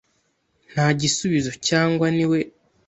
Nta gisubizo - cyangwa niwe